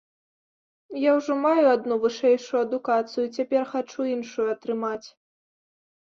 Я ўжо маю адну вышэйшую адукацыю, цяпер хачу іншую атрымаць.